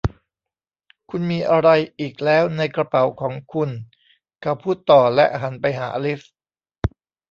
'คุณมีอะไรอีกแล้วในกระเป๋าของคุณ ? ' เขาพูดต่อและหันไปหาอลิซ